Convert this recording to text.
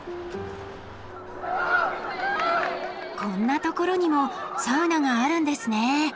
こんな所にもサウナがあるんですね。